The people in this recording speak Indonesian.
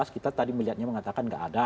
kita tadi melihatnya mengatakan nggak ada